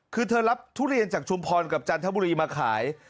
คือเธอรับทุเรียนจากชุมพรกับจันทบุรีมาขาย